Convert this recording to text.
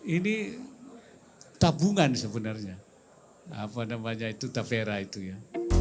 ini tabungan sebenarnya apa namanya itu tafera itu ya